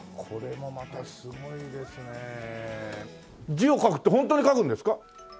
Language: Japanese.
字を書くってホントに書くんですか？